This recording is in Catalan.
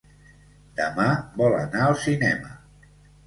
Demà vol anar al cinema.